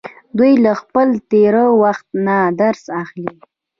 دوی له خپل تیره وخت نه درس اخلي.